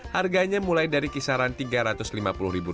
harganya mulai dari kisaran tiga ratus lima puluh dolar